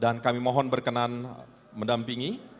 dan kami mohon berkenan mendampingi